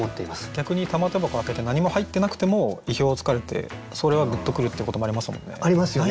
逆に玉手箱開けて何も入ってなくても意表をつかれてそれはグッとくるっていうこともありますもんね。ありますよね。